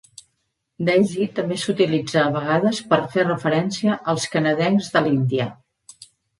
Desi també s'utilitza a vegades per fer referència als canadencs de l'Índia.